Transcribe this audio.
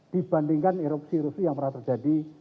dibandingkan erupsi erupsi yang pernah terjadi